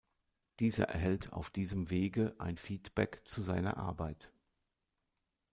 Dieser erhält auf diesem Wege ein Feedback zu seiner Arbeit.